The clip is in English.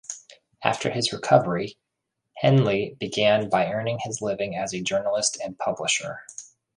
After his recovery, Henley began by earning his living as a journalist and publisher.